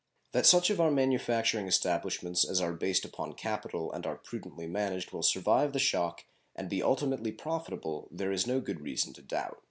That such of our manufacturing establishments as are based upon capital and are prudently managed will survive the shock and be ultimately profitable there is no good reason to doubt.